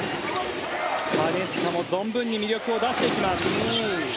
金近も存分に魅力を出していきます。